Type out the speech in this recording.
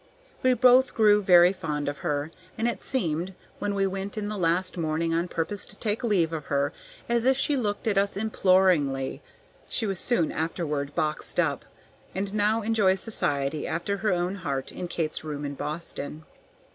We both grew very fond of her, and it seemed, when we went in the last morning on purpose to take leave of her, as if she looked at us imploringly. She was soon afterward boxed up, and now enjoys society after her own heart in Kate's room in Boston.